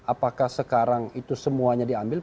apakah sekarang itu semuanya diambil